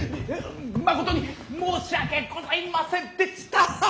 誠に申し訳ございませんでしたーッ！